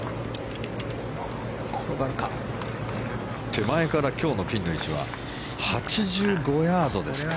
手前から今日のピンの位置は８５ヤードですか。